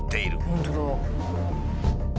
本当だ。